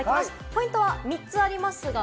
ポイントは３つあります。